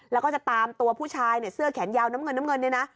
แล้วก็จะตามตัวผู้ชายเนี่ยเสื้อแขนยาวน้ำเงินน้ำเงินเนี่ยนะ